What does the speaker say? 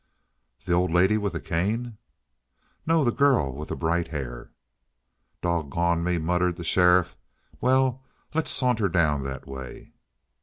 "The old lady with the cane?" "No, the girl with the bright hair." "Doggone me," muttered the sheriff. "Well, let's saunter down that way."